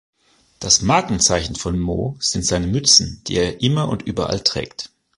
Das Markenzeichen von Mo sind seine Mützen, die er immer und überall trägt.